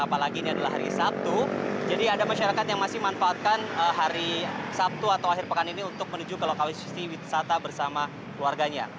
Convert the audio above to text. apalagi ini adalah hari sabtu jadi ada masyarakat yang masih manfaatkan hari sabtu atau akhir pekan ini untuk menuju ke lokasi wisata bersama keluarganya